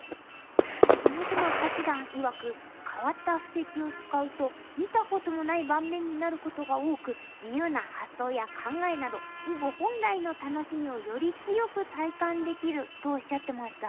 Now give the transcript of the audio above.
下島八段いわく「変わった布石を使うと見たこともない盤面になることが多く自由な発想や考えなど囲碁本来の楽しみをより強く体感できる」とおっしゃってました。